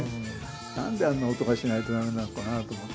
何であんな音がしないと駄目なのかなと思って。